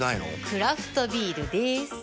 クラフトビールでーす。